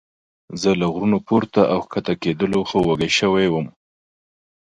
زه له غرونو پورته او ښکته کېدلو ښه وږی شوی وم.